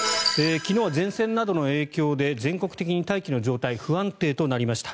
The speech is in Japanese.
昨日は前線などの影響で全国的に大気の状態不安定となりました。